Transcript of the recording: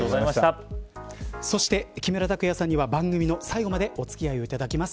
そして、木村拓哉さんには番組の最後までお付き合いをいただきます。